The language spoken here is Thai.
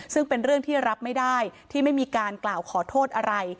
ซึ่งเป็นเรื่องที่รับไม่ได้ที่ไม่มีการกล่าวขอโทษอะไร